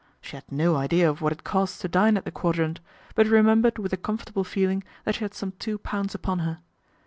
She had no idea of what it cost to dine at the Quadrant ; but remembered with a comfortable feeling that she had some two pounds upon her.